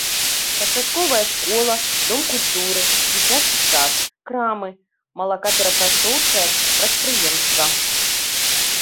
Пачатковая школа, дом культуры, дзіцячы сад, крамы, малакаперапрацоўчае прадпрыемства.